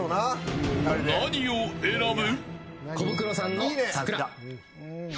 何を選ぶ。